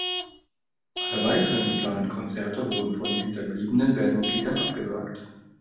Alle weiteren geplanten Konzerte wurden von den hinterbliebenen Bandmitgliedern abgesagt.